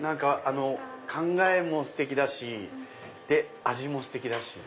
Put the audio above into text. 考えもステキだし味もステキだし。